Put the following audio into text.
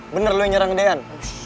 bener lu yang nyerang dean